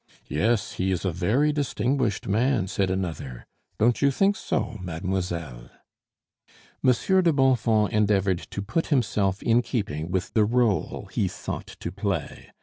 "Yes, he is a very distinguished man," said another, "don't you think so, mademoiselle?" Monsieur de Bonfons endeavored to put himself in keeping with the role he sought to play.